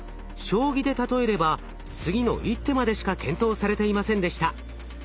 将棋で例えれば次の一手までしか検討されていませんでした。